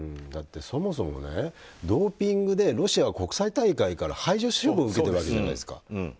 だってそもそも、ドーピングでロシアは国際大会から排除処分を受けているわけじゃないですか。